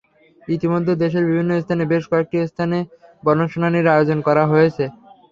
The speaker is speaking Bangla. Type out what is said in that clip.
ইতিমধ্যে দেশের বিভিন্ন স্থানে বেশ কয়েকটি স্থানে গণশুনানির আয়োজন করা হয়েছে।